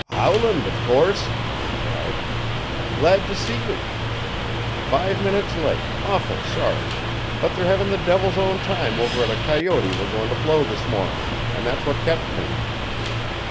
"Howland, of course!" he cried. "Glad to see you! Five minutes late awful sorry but they're having the devil's own time over at a coyote we're going to blow this morning, and that's what kept me."